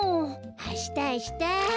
あしたあした。